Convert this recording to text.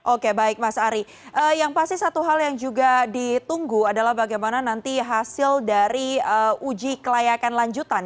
oke baik mas ari yang pasti satu hal yang juga ditunggu adalah bagaimana nanti hasil dari uji kelayakan lanjutan